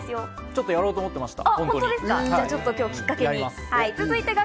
ちょっとやろうと思ってました。